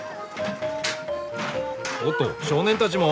おっと少年たちも？